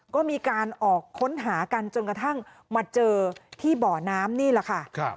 ก็มีการออกค้นหากันจนกระทั่งมาเจอที่บ่อน้ำนี่แหละค่ะ